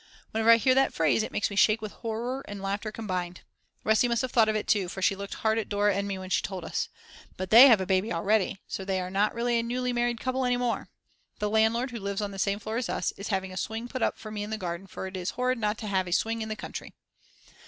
_ Whenever I hear that phrase it makes me shake with horror and laughter combined. Resi must have thought of it too, for she looked hard at Dora and me when she told us. But they have a baby already, so they are not really a newly married couple any more. The landlord, who lives on the same floor as us, is having a swing put up for me in the garden for it is horrid not to have a swing in the country.